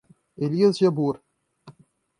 Elias Jabbour